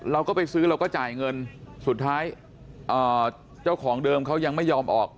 เราก็ไปซื้อเราก็จ่ายเงินสุดท้ายเจ้าของเดิมเขายังไม่ยอมออก